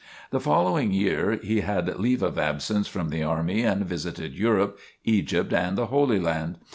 The following year, he had leave of absence from the army and visited Europe, Egypt and the Holy Land.